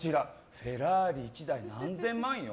フェラーリ１台何千万よ。